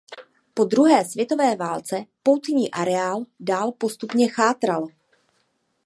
Po druhé světové válce poutní areál dál postupně chátral.